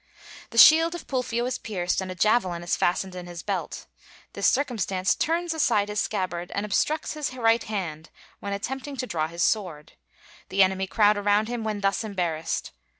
The shield of Pulfio is pierced and a javelin is fastened in his belt. This circumstance turns aside his scabbard and obstructs his right hand when attempting to draw his sword: the enemy crowd around him when thus embarrassed.